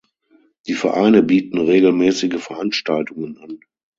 Die Vereine bieten regelmäßige Veranstaltungen an.